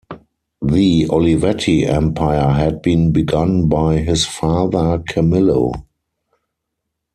The Olivetti empire had been begun by his father Camillo.